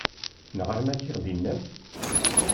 Neɣ arma giɣ-d inaw?